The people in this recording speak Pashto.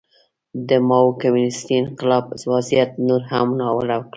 د ماوو کمونېستي انقلاب وضعیت نور هم ناوړه کړ.